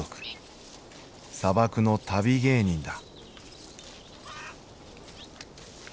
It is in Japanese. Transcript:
砂漠の旅芸人だ。